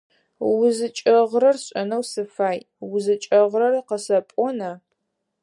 УзыкӀэгъырэр сшӀэнэу сыфай УзыкӀэгъырэр къысэпӀона?